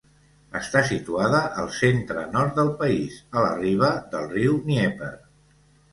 Està situada al centre-nord del país, a la riba del riu Dnièper.